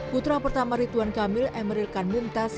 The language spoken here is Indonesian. putra pertama rituan kamil emeril kan mumtaz